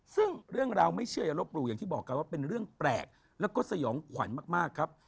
ซึ่งเรื่องราวไม่เชื่ออย่าลบหลู่อย่างที่บอกกันว่าเป็นเรื่องแปลกแล้วก็สยองขวัญมากครับ